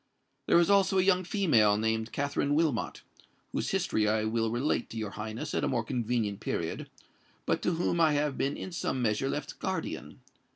There is also a young female named Katherine Wilmot,—whose history I will relate to your Highness at a more convenient period,—but to whom I have been in some measure left guardian.